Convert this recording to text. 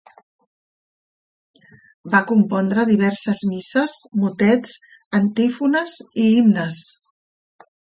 Va compondre diverses misses, motets, antífones i himnes.